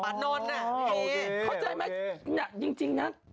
เข้าใจไหมจริงนะ